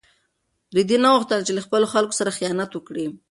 رېدي نه غوښتل چې له خپلو خلکو سره خیانت وکړي.